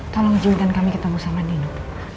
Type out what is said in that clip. tolong izinkan kami ketemu sama nino